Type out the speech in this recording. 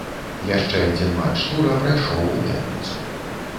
Яшчэ адзін матч тура прайшоў у пятніцу.